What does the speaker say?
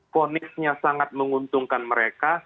ponisnya sangat menguntungkan mereka